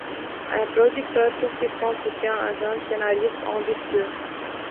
Un producteur tout-puissant soutient un jeune scénariste ambitieux.